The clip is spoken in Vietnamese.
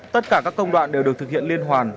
tất cả các công đoạn đều được thực hiện liên hoàn